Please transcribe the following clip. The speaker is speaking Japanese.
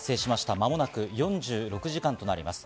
間もなく４６時間となります。